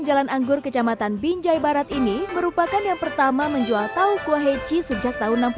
jalan anggur kecamatan binjai barat ini merupakan yang pertama menjual tau kuah heci sejak tahun